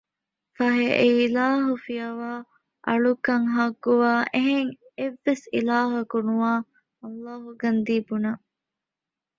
ފަހެ އެ އިލާހު ފިޔަވައި އަޅުކަން ޙައްޤުވާ އެހެން އެއްވެސް އިލާހަކު ނުވާ ﷲ ގަންދީ ބުނަން